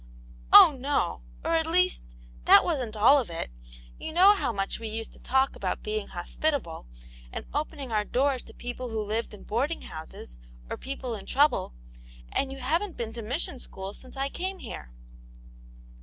" Oh, no ; or, at least, that wasn't all of it. You know how much we used to talk about being hos pitable and opening our doors to people who lived in boarding houses, or people in trouble. And you haven't been to mission school since I came here."